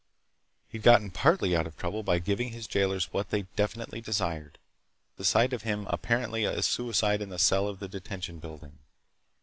He'd gotten partly out of trouble by giving his jailers what they definitely desired—the sight of him apparently a suicide in the cell in the Detention Building.